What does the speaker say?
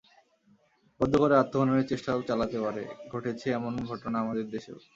বদ্ধ ঘরে আত্মহননের চেষ্টাও চালাতে পারে, ঘটেছে এমন ঘটনা আমাদের দেশেও।